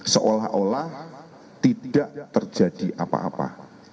seolah olah tidak terjadi apa apa